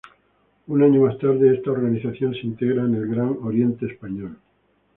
Un año más tarde esta organización se integró en el Gran Oriente Español.